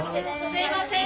・すいません！